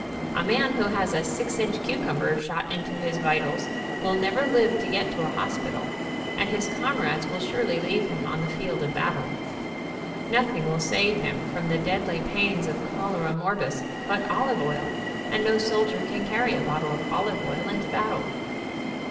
A man who has a six inch cucumber shot into his vitals will never live to get to a hospital, and his comrades will surely leave him on the field of battle. Nothing will save him from the deadly pains of chol era morbus, but olive oil, and no soldier can carry a bottle of olive oil into battle.